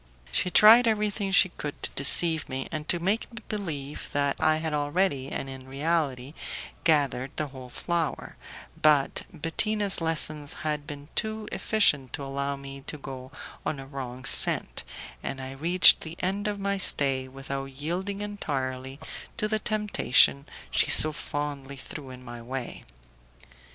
She tried everything she could to deceive me, and to make me believe that I had already, and in reality, gathered the whole flower, but Bettina's lessons had been too efficient to allow me to go on a wrong scent, and I reached the end of my stay without yielding entirely to the temptation she so fondly threw in my way.